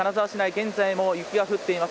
現在も雪が降っています。